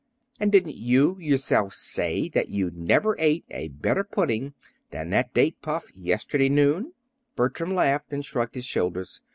And didn't you yourself say that you never ate a better pudding than that date puff yesterday noon?" Bertram laughed and shrugged his shoulders.